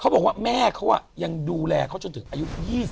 บอกว่าแม่เขายังดูแลเขาจนถึงอายุ๒๐